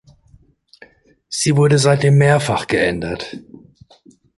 Sie wurde seit dem mehrfach geändert.